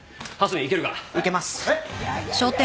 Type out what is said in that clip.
行けます！